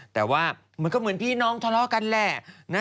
แต่ว่าเหมือนกับพี่น้องทะเลาะกันแหละ